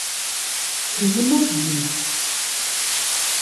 Фи унэр ин?